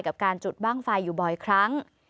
กับการจุดบ้างไฟอยู่บ่อยครั้ง